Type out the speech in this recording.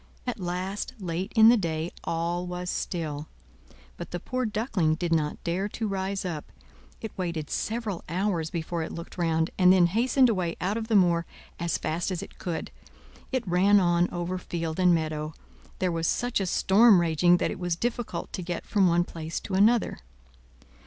At last, late in the day, all was still; but the poor Duckling did not dare to rise up; it waited several hours before it looked round, and then hastened away out of the moor as fast it could. It ran on over field and meadow; there was such a storm raging that it was difficult to get from one place to another.